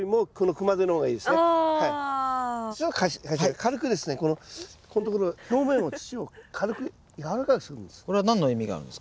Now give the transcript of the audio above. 軽くですねここん所表面を土を軽く軟らかくするんです。